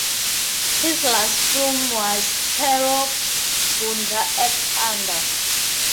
His last film was "Tero Gunda Ek Panda".